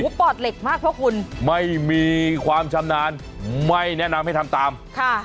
ปอดเหล็กมากเพราะคุณไม่มีความชำนาญไม่แนะนำให้ทำตามค่ะ